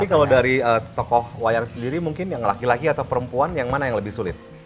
tapi kalau dari tokoh wayan sendiri mungkin yang laki laki atau perempuan yang mana yang lebih sulit